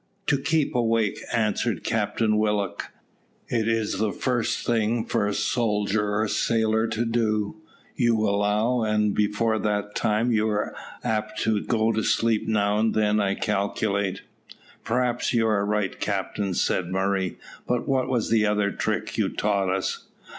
"To keep awake," answered Captain Willock. "It is the first thing for a soldier or a sailor to do, you'll allow, and before that time you were apt to go to sleep now and then I calculate." "Perhaps you are right, captain," said Murray; "but what was the other trick you taught us?"